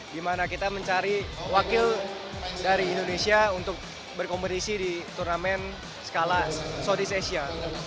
dimana kita mencari wakil dari indonesia untuk berkompetisi di turnamen skala southeast asia